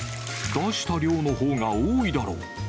出した量のほうが多いだろ。